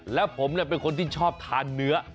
แล้วผมเป็นคนที่ชอบทานเนื้อ